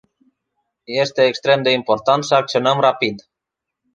Este extrem de important să acționăm rapid.